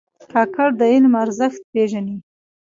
کاکړ د علم ارزښت پېژني.